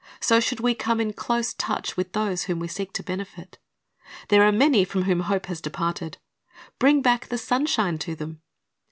So should we come in close touch with those whom we seek to benefit. There are many from whom hope has departed. Bring back the sunshine to them.